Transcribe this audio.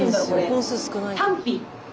本数少ないから。